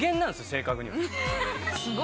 正確には。